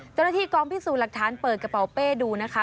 เจ้าหน้าที่กองพิสูจน์หลักฐานเปิดกระเป๋าเป้ดูนะคะ